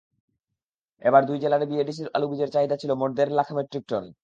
এবার দুই জেলায় বিএডিসির আলুবীজের চাহিদা ছিল মোট দেড় লাখ মেট্রিক টন।